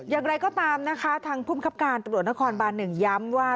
อย่างไรก็ตามนะคะทางภูมิครับการตรวจนครบาน๑ย้ำว่า